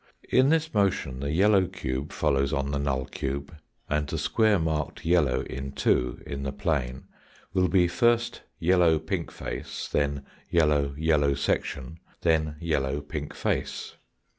In this motion the yellow cube follows on the null cube, and the square marked yellow in 2 in the plane will be first " yellow pink face," then " yellow yellow section," then " yellow pink face."